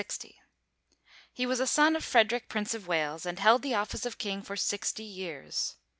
He was a son of Frederick, Prince of Wales, and held the office of king for sixty years.